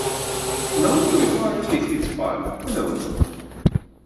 Nandu ir vāji attīstīti spārni, tie nelido.